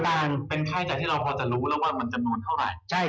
ค่าใช้จ่ายที่เราพอจะรู้แล้วว่ามันจำนวนเท่าไหร่